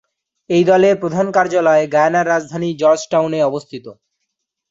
এই দলের প্রধান কার্যালয় গায়ানার রাজধানী জর্জটাউনে অবস্থিত।